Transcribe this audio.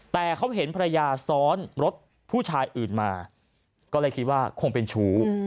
แต่เขาเห็นภรรยาซ้อนรถผู้ชายอื่นมาก็เลยคิดว่าคงเป็นชู้